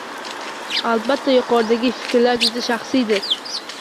Albatta, yuqoridagi fikrlar juda shaxsiydir